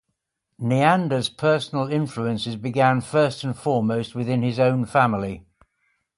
Neander's personal influences began first and foremost within his own family.